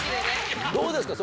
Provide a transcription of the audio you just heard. どうですか？